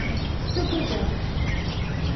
Tettagad-aɣ.